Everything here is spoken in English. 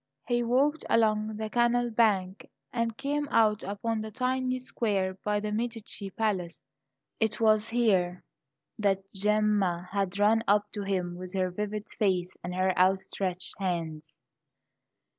He walked along the canal bank, and came out upon the tiny square by the Medici palace. It was here that Gemma had run up to him with her vivid face, her outstretched hands.